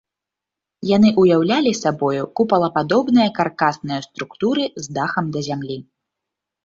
Яны ўяўлялі сабою купалападобныя каркасныя структуры з дахам да зямлі.